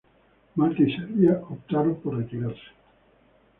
Malta y Serbia optaron por retirarse.